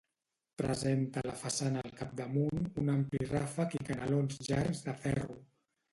Presenta la façana al capdamunt un ampli ràfec i canalons llargs de ferro.